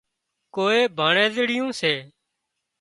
ڪوئي ڀانڻزڙيون سي